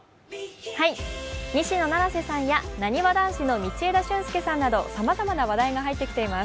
西野七瀬さんやなにわ男子の道枝駿佑さんなど、さまざまな話題が入ってきています。